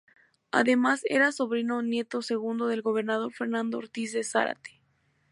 Además era sobrino nieto segundo del gobernador Fernando Ortiz de Zárate.